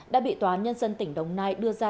đã bị tòa nhân dân tỉnh đồng nai đưa ra